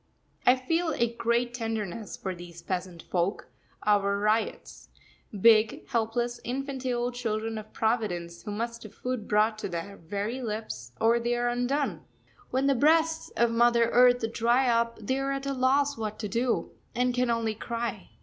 I feel a great tenderness for these peasant folk our ryots big, helpless, infantile children of Providence, who must have food brought to their very lips, or they are undone. When the breasts of Mother Earth dry up they are at a loss what to do, and can only cry.